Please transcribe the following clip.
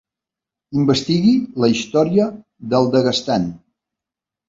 Investigui la història del Daguestan.